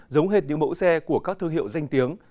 giống hết những mẫu xe của các thương hiệu danh tiếng